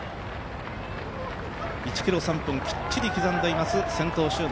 １ｋｍ３分、きっちり刻んでいます先頭集団。